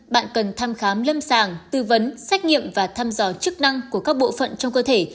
bạn cần thăm khám lâm sàng tư vấn xét nghiệm và thăm dò chức năng của các bộ phận trong cơ thể